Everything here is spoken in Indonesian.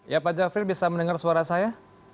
ya pak jafril bisa mendengar suara saya